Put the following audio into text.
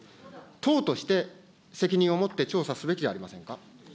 党として、責任を持って調査すべきではありませんか。